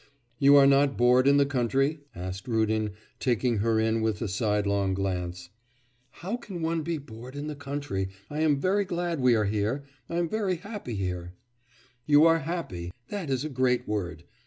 'You are not bored in the country?' asked Rudin, taking her in with a sidelong glance. 'How can one be bored in the country? I am very glad we are here. I am very happy here.' 'You are happy that is a great word.